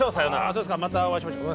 そうですかまたお会いしましょう。